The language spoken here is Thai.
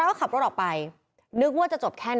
เอาปืนจ่อยิงแล้วก็เปิดถังน้ำมันรถของผู้ตายจุดไฟจะเผา